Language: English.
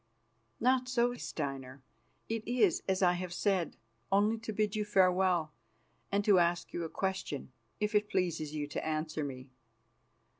"Not so, Steinar. It is as I have said, only to bid you farewell and to ask you a question, if it pleases you to answer me.